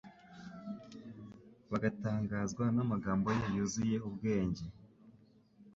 bagatangazwa n'amagambo ye yuzuye ubwenge,